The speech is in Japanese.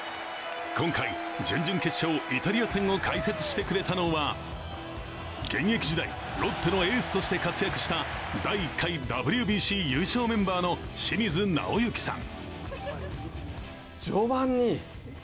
今回、準々決勝、イタリア戦を解説してくれたのは現役時代、ロッテのエースとして活躍した第１回ＷＢＣ優勝メンバーの清水直行さん。